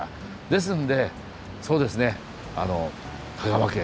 ですんでそうですね香川県